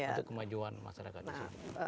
untuk kemajuan masyarakat di sini